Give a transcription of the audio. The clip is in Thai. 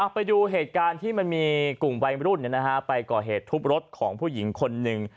ไปดูเหตุการณ์ที่มันมีกลุ่มวัยรุ่นไปก่อเหตุทุบรถของผู้หญิงคนหนึ่ง